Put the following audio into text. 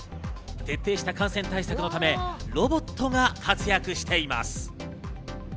徹底した感染対策のため、ロボットが活躍しています。